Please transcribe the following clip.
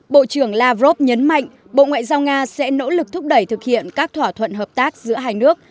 bộ trưởng lavrov nhấn mạnh bộ ngoại giao nga sẽ nỗ lực thúc đẩy thực hiện các thỏa thuận hợp tác giữa hai nước